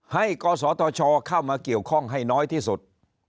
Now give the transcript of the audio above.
กศธชเข้ามาเกี่ยวข้องให้น้อยที่สุด